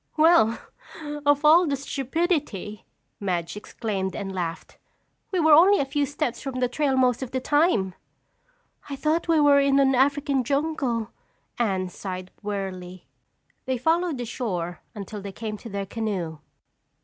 "Well, of all the stupidity!" Madge exclaimed and laughed. "We were only a few steps from the trail most of the time." "I thought we were in an African jungle," Anne sighed wearily. They followed the shore until they came to their canoe.